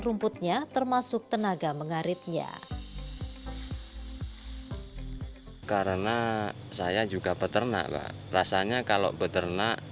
rumputnya termasuk tenaga mengharitnya karena saya juga peternak bak rasanya kalau peternak